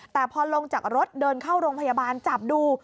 แต่พอลงจากรถเดินเข้าโรงพยาบาลจับดู